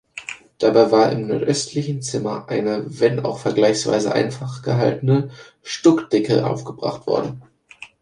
Dabei war im nordöstlichen Zimmer eine, wenn auch vergleichsweise einfach gehaltene, Stuckdecke aufgebracht worden.